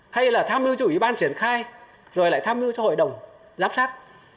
hay là tham mưu cho ủy ban triển khai rồi lại tham mưu cho hội đồng giám sát